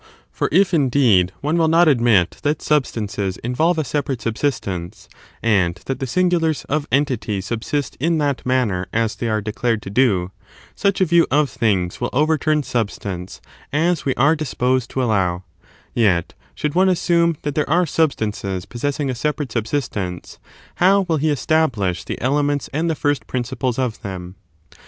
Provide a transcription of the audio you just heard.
For if, indeed, one will not admit that substances involve a separate subsistence, and that the singulars of entities subsist in that manner as they are declared to do, such a view of things will overturn substance, as we are disposed to allow; yet, should one assume that there are substances possessing a separate subsistence, how will he establish the dements and the first principles of them?